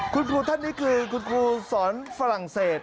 คุณครูท่านนี้คือคุณครูสอนฝรั่งเศส